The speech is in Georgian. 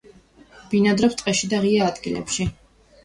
ბინადრობს ტყეში და ღია ადგილებში.